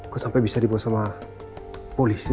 kok sampai bisa dibawa sama polisi